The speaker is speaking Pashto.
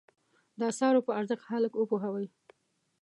د اثارو په ارزښت خلک وپوهوي.